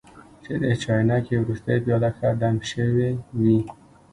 چې د چاینکې وروستۍ پیاله ښه دم شوې وي.